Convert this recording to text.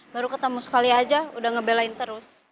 baru ketemu sekali aja udah ngebelain terus